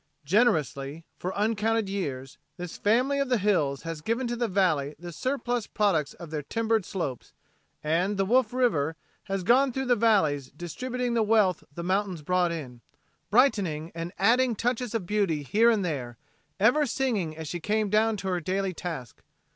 Generously, for uncounted years, this family of the hills has given to the valley the surplus products of their timbered slopes, and the Wolf River has gone through the valley distributing the wealth the mountains brought in, brightening and adding touches of beauty here and there, ever singing as she came down to her daily task.